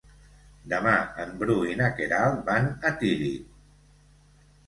Demà en Bru i na Queralt van a Tírig.